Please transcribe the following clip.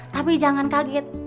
tapi jangan kaget